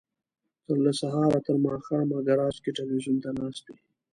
له سهاره تر ماښامه ګراج کې ټلویزیون ته ناست وي.